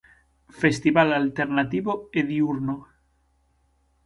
Festival alternativo e diúrno.